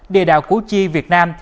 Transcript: địa đạo cú chi việt nam